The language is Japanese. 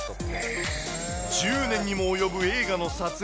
１０年にも及ぶ映画の撮影。